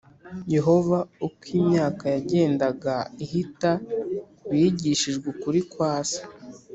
Yehova uko imyaka yagendaga ihita bigishijwe ukuri kwa we